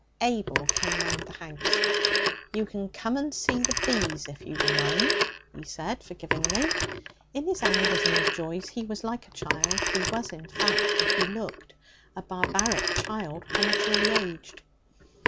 Abel came round the house. 'You can come and see the bees, if you've a mind,' he said forgivingly. In his angers and his joys he was like a child. He was, in fact, what he looked a barbaric child, prematurely aged.